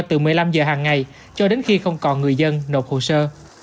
từ một mươi năm giờ hàng ngày cho đến khi không còn người dân nộp hồ sơ